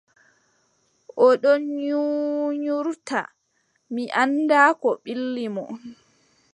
O ɗon ŋuurŋuurta, mi anndaa Ko ɓilli mo.